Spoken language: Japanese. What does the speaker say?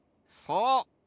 そう。